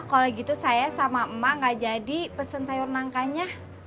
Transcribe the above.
kalau gitu saya sama emak gak jadi pesen sayur nangkanya